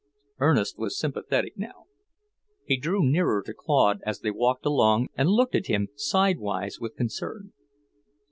Ernest was sympathetic now. He drew nearer to Claude as they walked along and looked at him sidewise with concern.